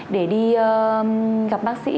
để đi gặp bác sĩ